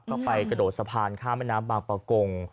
ก็ไปกระโดดสะพานข้ามแม่น้ำบางประกง